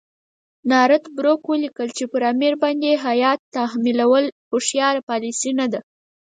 نارت بروک ولیکل چې پر امیر باندې هیات تحمیلول هوښیاره پالیسي نه ده.